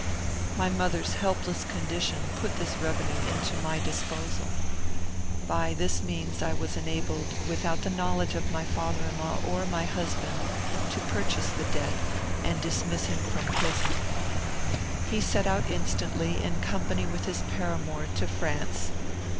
My mother's helpless condition put this revenue into my disposal. By this means was I enabled, without the knowledge of my father in law or my husband, to purchase the debt, and dismiss him from prison. He set out instantly, in company with his paramour, to France.